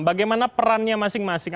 bagaimana perannya masing masing